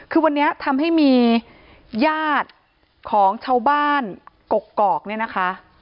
คือวันนี้ทำให้มีญาติของชาวบ้านกกอกเนี่ยนะคะ